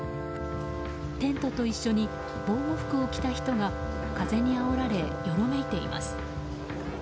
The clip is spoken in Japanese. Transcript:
テントと一緒に防護服を着た人が風にあおられ、よろめいています。